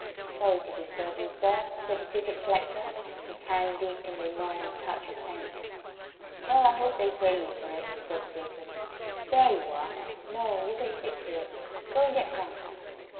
"Sorry to disturb you, sir," said the ticket collector, his hand deep in the enormous pouch of pence. "Well, I hope they pay you for it," said Jacob. "There you are. No. You can stick to it. Go and get drunk."